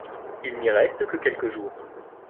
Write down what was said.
Il n'y reste que quelques jours.